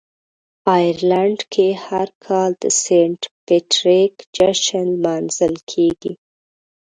آیرلنډ کې هر کال د "سینټ پیټریک" جشن لمانځل کیږي.